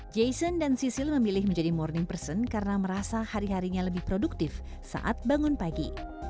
jason dan cicil memilih menjadi morning person karena merasa hari harinya lebih produktif saat bangun pagi